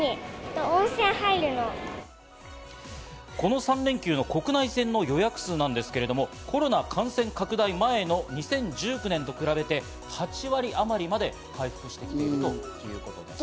この３連休の国内線の予約数なんですけれど、コロナ感染拡大前の２０１９年と比べて８割あまりまで回復しているということです。